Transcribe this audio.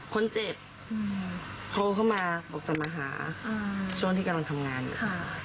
คนเจ็บโทรเข้ามาบอกจะมาหาช่วงที่กำลังทำงานอยู่ค่ะ